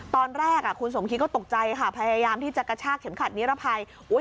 ตอนแรกคุณสมคิดก็ตกใจค่ะพยายามที่จะกระชากเข็มขัดนิรภัย